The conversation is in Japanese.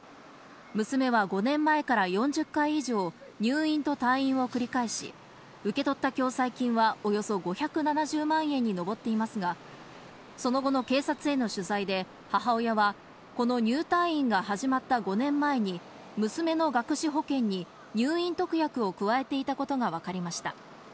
娘は５年前から４０回以上、入院と退院を繰り返し、受け取った共済金はおよそ５７０万円に上っていますが、その後の警察への取材で母親はこの入退院が始まった５年前に娘の学資保険に入院特約を加えていたことがわかりました。